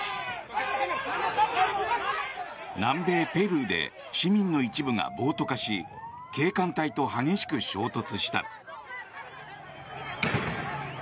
南米ペルーで市民の一部が暴徒化し警官隊と激しく衝突した。